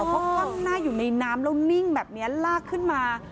เพราะคว่ำหน้าอยู่ในน้ำแล้วนิ่งแบบนี้ลากขึ้นมา